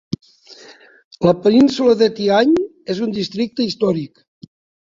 La península de Tihany és un districte històric.